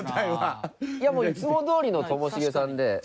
いやもういつもどおりのともしげさんで。